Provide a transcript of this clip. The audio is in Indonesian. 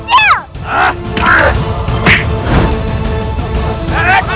aku bukan anak kecil